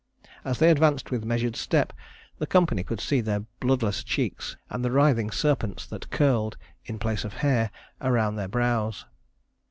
As they advanced with measured step, the company could see their bloodless cheeks and the writhing serpents that curled in place of hair around their brows.